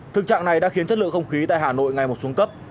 thực trạng này đã khiến chất lượng không khí tại hà nội ngày một xuống cấp